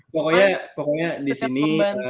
pokoknya di sini